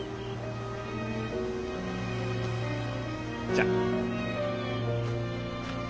じゃあ。